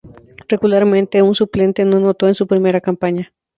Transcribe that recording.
Regularmente un suplente, no anotó en su primera campaña.